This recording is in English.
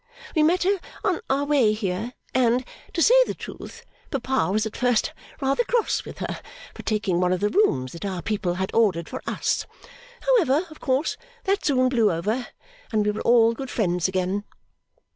We met her on our way here, and, to say the truth, papa was at first rather cross with her for taking one of the rooms that our people had ordered for us. However, of course, that soon blew over, and we were all good friends again.